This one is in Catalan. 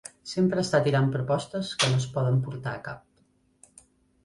Sempre està tirant propostes que no es poden portar a cap.